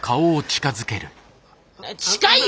近いよ！